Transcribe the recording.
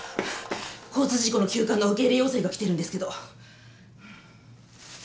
交通事故の急患の受け入れ要請が来てるんですけど。